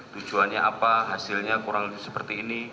tujuannya apa hasilnya kurang seperti ini